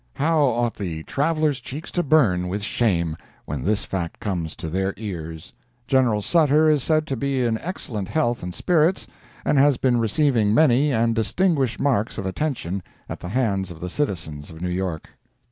How ought the Travellers' cheeks to burn with shame when this fact comes to their ears! General Sutter is said to be in excellent health and spirits, and has been receiving many and distinguished marks of attention at the hands of the citizens of New York.